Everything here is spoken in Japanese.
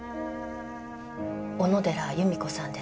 小野寺由美子さんです。